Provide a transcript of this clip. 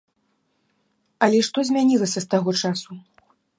Але што змянілася з таго часу?